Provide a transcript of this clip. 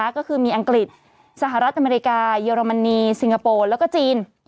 ก็คือมีอังกฤษสหรัฐอเมริกาเยอรมนีสิงคโปร์แล้วก็จีน